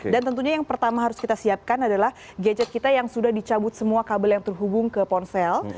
dan tentunya yang pertama harus kita siapkan adalah gadget kita yang sudah dicabut semua kabel yang terhubung ke ponsel